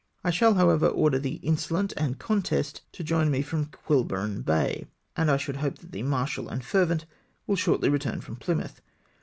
I shall, however, order the Insolent and Contest to join me from Quiberon Bay; and I sliould hope that the Martial and Fervent will shortly return from Plymouth.